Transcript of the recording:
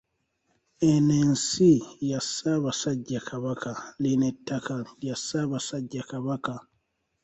Eno nsi ya Ssaabasajja Kabaka, lino ettaka lya Ssaabasajja Kabaka.